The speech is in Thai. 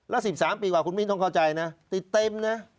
แล้ว๑๓ปีกว่าคุณมิ้นต้องเข้าใจนะติดเต็มนะ